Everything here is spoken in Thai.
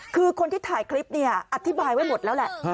คือคนที่ถ่ายคลิปเนี่ยอธิบายไว้หมดแล้วแหละ